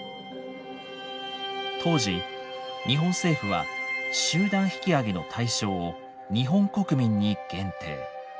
当時日本政府は集団引き揚げの対象を日本国民に限定。